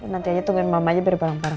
nanti aja tungguin mama aja beri barang barang